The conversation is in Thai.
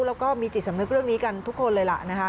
แล้วก็มีจิตสำนึกเรื่องนี้กันทุกคนเลยล่ะนะคะ